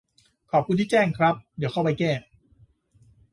ขอบคุณที่แจ้งครับ เดี๋ยวเข้าไปแก้